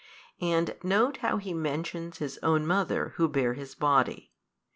And note how He mentions His own Mother who bare His Body.